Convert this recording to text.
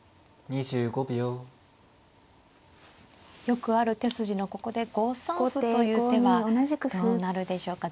よくある手筋のここで５三歩という手はどうなるでしょうか。